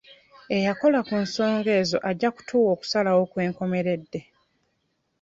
Eyakola ku nsonga ezo ajja kutuwa okusalawo okwenkomeredde.